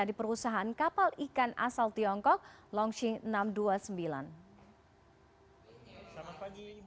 di perusahaan kapal ikan asal tiongkok longshing enam ratus dua puluh sembilan